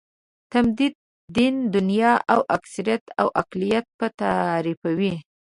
تمدن، دین، دنیا او اکثریت او اقلیت به تعریفوي.